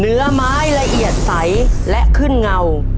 เนื้อไม้ละเอียดใสและขึ้นเงา